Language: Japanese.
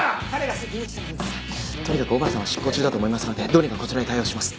とにかく小原さんは執行中だと思いますのでどうにかこちらで対応します。